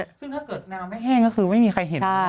ซึ่งถ้าเกิดน้ำไม่แห้งก็คือไม่มีใครเห็น